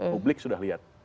pemilik sudah lihat